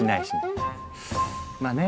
まあね